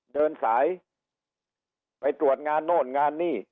เดินสายไปตรวจงานโน่นงานนี่